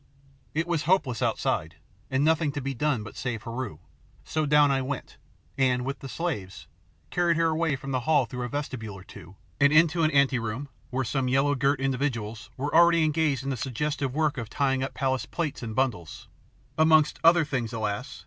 It was hopeless outside, and nothing to be done but to save Heru, so down I went, and, with the slaves, carried her away from the hall through a vestibule or two, and into an anteroom, where some yellow girt individuals were already engaged in the suggestive work of tying up palace plate in bundles, amongst other things, alas!